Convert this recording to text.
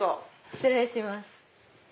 失礼します。